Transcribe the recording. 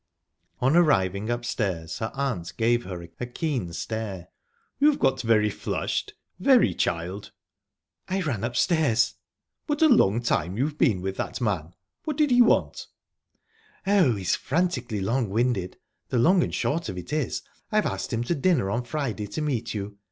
On arriving upstairs, her aunt gave her a keen stare. "You've got a very flushed very, child." "I ran upstairs." "What a long time you've been with that man. What did he want?" "Oh, he's frantically long winded. The long and short of it is, I've asked him to dinner on Friday, to meet you.